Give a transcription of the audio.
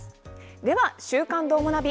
では「週刊どーもナビ」